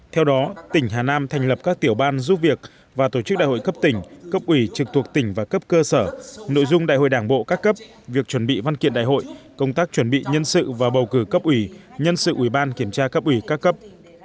theo đó tỉnh hà nam thành lập các tiểu ban giúp việc và tổ chức đại hội cấp tỉnh cấp ủy trực thuộc tỉnh và cấp cơ sở nội dung đại hội đảng bộ các cấp việc chuẩn bị văn kiện đại hội công tác chuẩn bị nhân sự và bầu cử cấp ủy nhân sự ủy ban kiểm tra cấp ủy các cấp